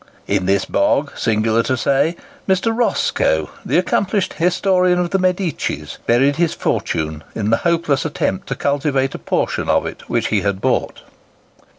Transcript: In this bog, singular to say, Mr. Roscoe, the accomplished historian of the Medicis, buried his fortune in the hopeless attempt to cultivate a portion of it which he had bought.